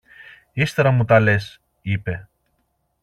Ύστερα μου τα λες, είπε.